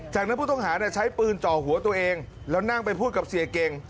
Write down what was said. จากนั้นผู้ต้องหาใช้ปืนจ่อหัวตัวเองแล้วนั่งไปพูดกับเสียเก่ง